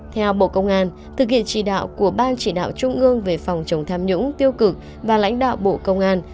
theo bộ công an thực hiện chỉ đạo của ban chỉ đạo trung ương về phòng chống tham nhũng tiêu cực và lãnh đạo bộ công an